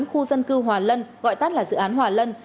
khu dân cư hòa lân gọi tắt là dự án hòa lân